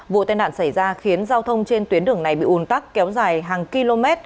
vụ tên đạn xảy ra khiến giao thông trên tuyến đường này bị ùn tắc kéo dài hàng km